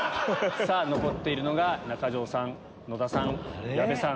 残っているのが中条さん野田さん矢部さん。